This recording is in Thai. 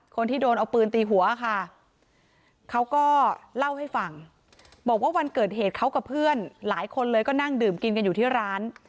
คนที่โดนเอาปืนตีหัวค่ะเขาก็เล่าให้ฟังบอกว่าวันเกิดเหตุเขากับเพื่อนหลายคนเลยก็นั่งดื่มกินกันอยู่ที่ร้าน